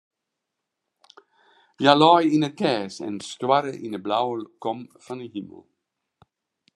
Hja lei yn it gers en stoarre yn de blauwe kom fan de himel.